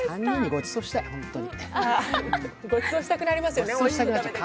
ごちそうしたくなりますよね。